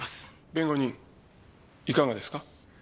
弁護人いかがですか？